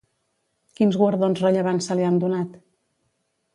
Quins guardons rellevants se li han donat?